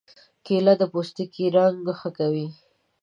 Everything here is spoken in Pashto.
کېله د پوستکي رنګ ښه کوي.